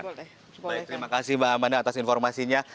terima kasih mbak amanda atas informasinya